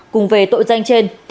cùng về tội danh trên